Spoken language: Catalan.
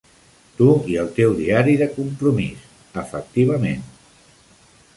Tu i el teu diari de compromís, efectivament.